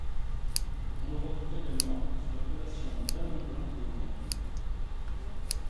On le retrouve également sous l'appellation dindon blanc de Hollande.